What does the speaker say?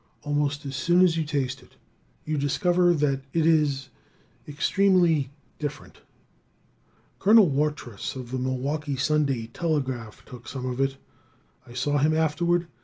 Almost as soon as you taste it you discover that it is extremely different. Colonel Watrous, of the Milwaukee Sunday Telegraph, took some of it. I saw him afterward.